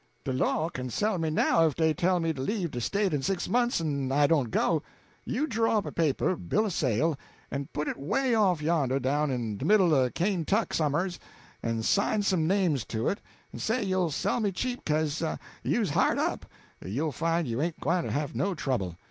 De law kin sell me now if dey tell me to leave de State in six months en I don't go. You draw up a paper bill o' sale en put it 'way off yonder, down in de middle o' Kaintuck somers, en sign some names to it, en say you'll sell me cheap 'ca'se you's hard up; you'll find you ain't gwyne to have no trouble.